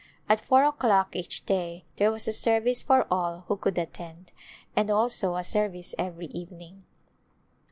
At four o'clock each day there was a service for all who could attend, and also a service every evening.